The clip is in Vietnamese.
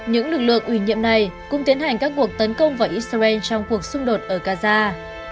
những lực lượng ủy nhiệm này cũng tiến hành các cuộc tấn công vào israel trong cuộc xung đột ở gaza